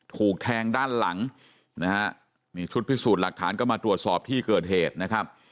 ถูกแทงด้านหลังนะฮะนี่ชุดพิสูจน์หลักฐานก็มาตรวจสอบที่เกิดเหตุนะครับ